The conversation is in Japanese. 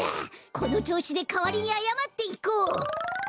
このちょうしでかわりにあやまっていこう！